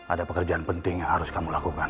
ada pekerjaan penting yang harus kamu lakukan